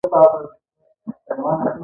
ګل احمد احسان مسؤل و.